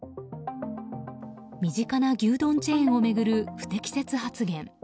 身近な牛丼チェーンを巡る不適切発言。